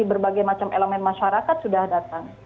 berbagai macam elemen masyarakat sudah datang